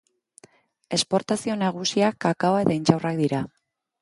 Esportazio nagusiak kakaoa eta intxaurrak dira.